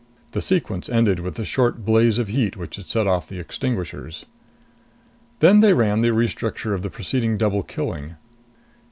The sequence ended with the short blaze of heat which had set off the extinguishers. Then they ran the restructure of the preceding double killing.